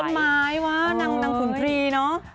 กับต้นไม้ว้าวนางสุนทรีย์เนอะ